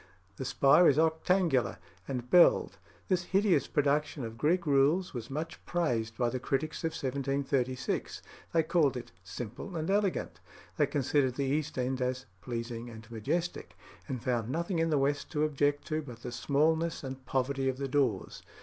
The spire is octangular and belled. This hideous production of Greek rules was much praised by the critics of 1736. They called it "simple and elegant." They considered the east end as "pleasing and majestic," and found nothing in the west to object to but the smallness and poverty of the doors.